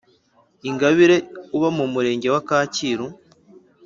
ingabire uba mu murenge wa kacyiru